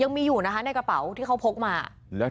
ยังมีอยู่ในกระเป๋าที่เค้าพกมา